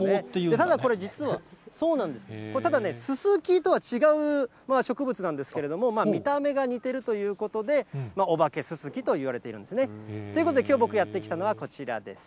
ただこれ、実は、ただ、ススキとは違う植物なんですけれども、見た目が似てるということで、お化けススキといわれているんですね。ということで、きょう、僕やって来たのはこちらです。